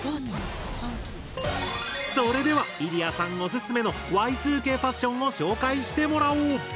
それではイリヤさんおすすめのＹ２Ｋファッションを紹介してもらおう！